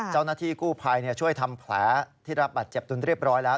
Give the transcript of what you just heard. เจ้านที่คู่ภายช่วยทำแผลที่รับบาดเจ็บคู่เรียบร้อยเปิดแล้ว